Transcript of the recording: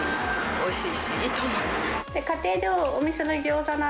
おいしい！